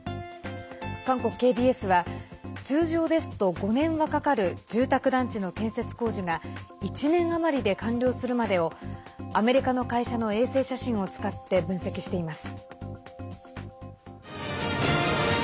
韓国ＫＢＳは、通常ですと５年はかかる住宅団地の建設工事が１年余りで完了するまでをアメリカの会社の衛星写真を使って分析しています。